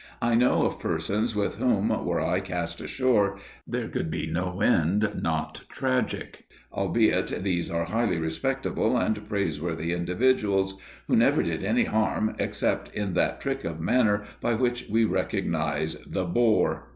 I know of persons with whom, were I cast ashore, there could be no end not tragic, albeit these are highly respectable and praiseworthy individuals, who never did any harm except in that trick of manner by which we recognize the bore.